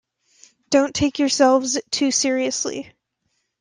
Don't take yourselves too seriously.